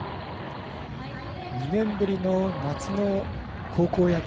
２年ぶりの夏の高校野球